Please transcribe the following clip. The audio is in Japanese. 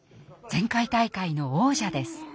前回大会の王者です。